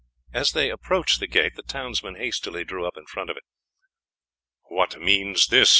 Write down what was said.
As they approached the gate the townsmen hastily drew up in front of it. "What means this?"